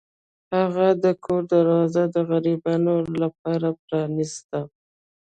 هغه د کور دروازه د غریبانو لپاره پرانیسته.